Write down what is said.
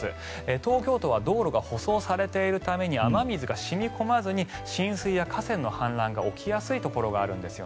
東京都は道路が舗装されているために雨水が染み込まずに浸水や河川の氾濫が起きやすいところがあるんです。